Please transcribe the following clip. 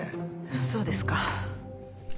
そうですか。